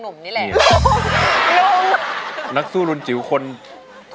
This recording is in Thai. ร้องได้ให้ร้อง